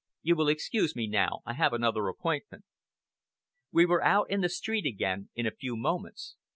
You will excuse me now! I have another appointment." We were out in the street again in a few moments.